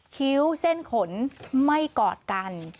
คิ้วเส้นขนไม่กอดกัน